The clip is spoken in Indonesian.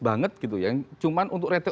banget gitu ya yang cuma untuk